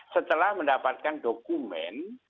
setelah mendapatkan dokumen